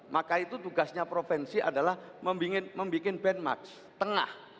maka itu tugasnya provinsi adalah membuat band march tengah